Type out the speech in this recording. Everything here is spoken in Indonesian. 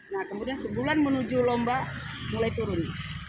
nah kemudian sebulan menuju lomba mulai turun